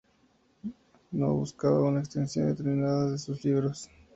No buscaba una extensión determinada de sus libros.